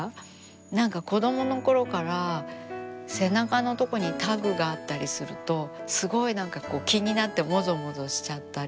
何か子どものころから背中のとこにタグがあったりするとすごい何かこう気になってもぞもぞしちゃったり。